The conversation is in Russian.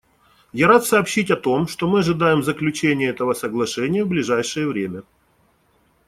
Я рад сообщить о том, что мы ожидаем заключения этого соглашения в ближайшее время.